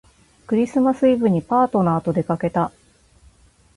クリスマスイブにパートナーとでかけた